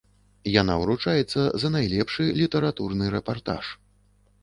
Яна ўручаецца за найлепшы літаратурны рэпартаж.